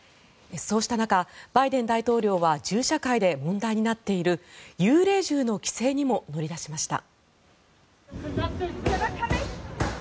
そうした中、バイデン大統領は銃社会で問題になっている幽霊銃の規制にも乗り出しました。